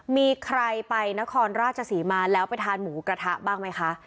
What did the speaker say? มีใครไปนครราชศรีมาแล้วไปทานหมูกระทะบ้างไหมคะ